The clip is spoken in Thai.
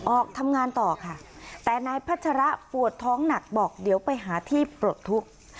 ออกทำงานต่อค่ะแต่นายพัชระปวดท้องหนักบอกเดี๋ยวไปหาที่ปลดทุกข์